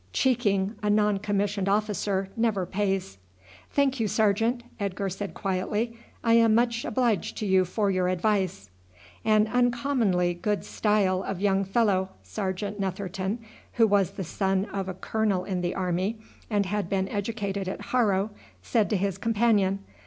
Cheeking a non commissioned officer never pays." "Thank you, sergeant," Edgar said quietly; "I am much obliged to you for your advice." "An uncommonly good style of young fellow," Sergeant Netherton, who was the son of a colonel in the army, and had been educated at Harrow, said to his companion.